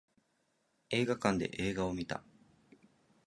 映画館で映画を見た